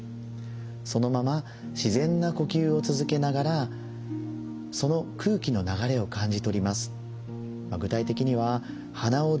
そのまま自然な呼吸を続けながらその空気の流れを感じ取ります。